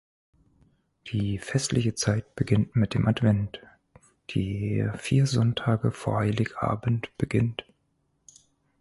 Die festliche Zeit beginnt mit dem Advent, der vier Sonntage vor Heiligabend beginnt.